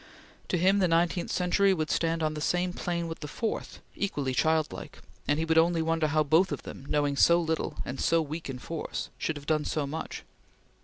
To him the nineteenth century would stand on the same plane with the fourth equally childlike and he would only wonder how both of them, knowing so little, and so weak in force, should have done so much.